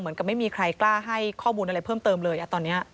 ไม่มีใครกล้าให้ข้อมูลอะไรเพิ่มเติมเลยตอนนี้